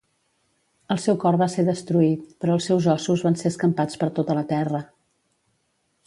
El seu cor va ser destruït, però els seus ossos van ser escampats per tota la terra.